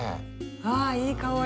ああいい香り。